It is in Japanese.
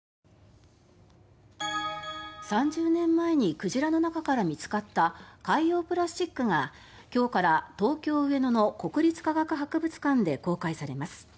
３０年前に鯨の中から見つかった海洋プラスチックが今日から東京・上野の国立科学博物館で公開されます。